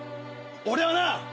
俺はな